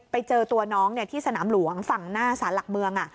ไปเจอตัวน้องที่สนามหลวงฝั่งหน้าสารหลักเมือง